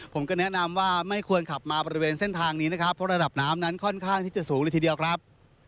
ผมก็แนะนำว่าไม่ควรขับมาบริเวณเส้นทางนี้นะครับเพราะระดับน้ำนั้นค่อนข้างที่จะสูงเลยทีเดียวครับ